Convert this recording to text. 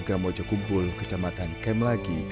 kondisi amat fajar